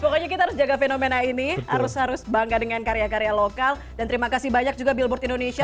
pokoknya kita harus jaga fenomena ini harus harus bangga dengan karya karya lokal dan terima kasih banyak juga billboard indonesia